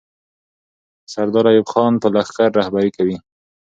سردار ایوب خان به لښکر رهبري کوي.